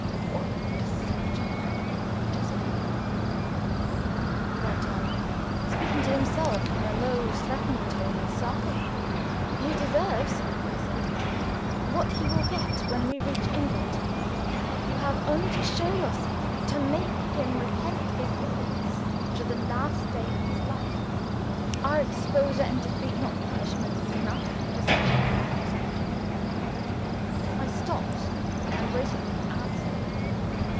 "What does such a man deserve?" he went on; speaking to himself, in a low threatening tone that startled me. "He deserves," I said, "what he will get when we reach England. You have only to show yourself to make him repent his wickedness to the last day of his life. Are exposure and defeat not punishment enough for such a man as Nugent?" I stopped, and waited for his answer.